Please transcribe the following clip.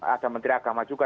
ada menteri agama juga